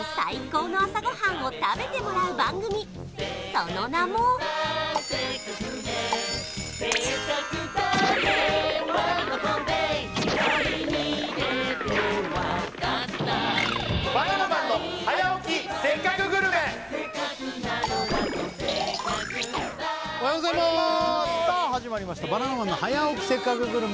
その名もおはようございますさあ始まりました「バナナマンの早起きせっかくグルメ！！」